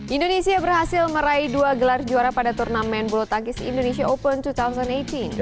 indonesia berhasil meraih dua gelar juara pada turnamen bulu tangkis indonesia open dua ribu delapan belas